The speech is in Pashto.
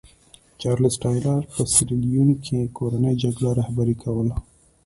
چارلېز ټایلر په سیریلیون کې کورنۍ جګړه رهبري کوله.